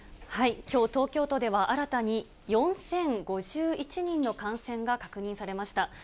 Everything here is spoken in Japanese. きょう、東京都では新たに４０５１人の感染が確認されました。